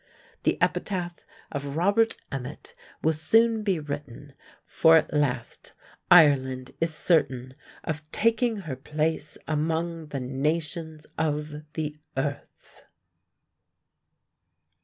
The epitaph of Robert Emmet will soon be written, for at last Ireland is certain of "taking her place among the nations of the earth."